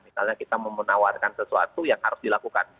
misalnya kita mau menawarkan sesuatu yang harus dilakukan